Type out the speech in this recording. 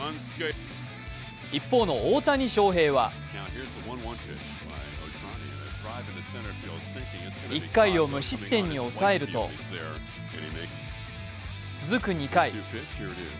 一方の大谷翔平は１回を無失点に抑えると続く２回。